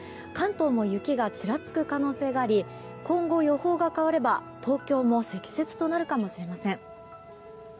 関東も雪がちらつく可能性があり今後、予報が変われば東京も積雪となるかもしれません。